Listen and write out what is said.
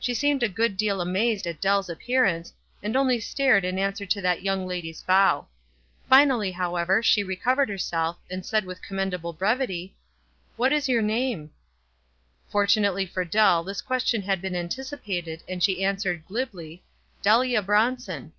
She seemed a good deal amazed at Dell's appearance, and only stared in answer to that young lady's bow. Finally, however, she recovered herself, and said with commendable brevity, — "What is 3'our name?" Fortunately for Dell this question had been anticipated, and she answered, glibly, — "Delia Bronson."